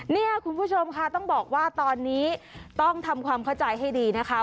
เนี่ยคุณผู้ชมค่ะต้องบอกว่าตอนนี้ต้องทำความเข้าใจให้ดีนะคะ